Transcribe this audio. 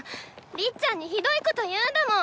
りっちゃんにひどいこと言うんだもん！